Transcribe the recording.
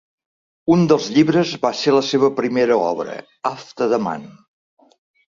Un dels llibres va ser la seva primera obra: "After the Man".